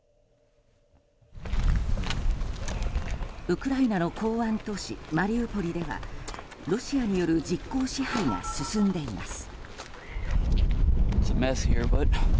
ウクライナの港湾都市マリウポリではロシアによる実効支配が進んでいます。